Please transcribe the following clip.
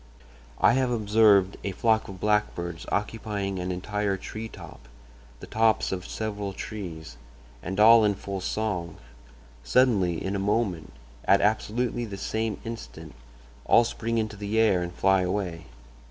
I have observed a flock of blackbirds occupying an entire tree top—the tops of several trees—and all in full song. Suddenly—in a moment—at absolutely the same instant—all spring into the air and fly away.